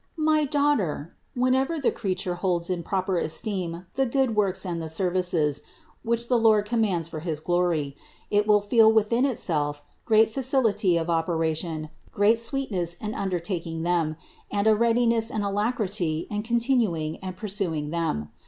213. My daughter, whenever the creature holds in proper esteem the good works and the services, which 172 CITY OF GOD the Lord commands for his glory, it will feel within itself great facility of operation, great sweetness in un dertaking them, and a readiness and alacrity in continu ing and pursuing them.